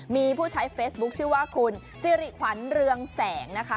มีผู้ใช้เฟซบุ๊คชื่อว่าคุณสิริขวัญเรืองแสงนะคะ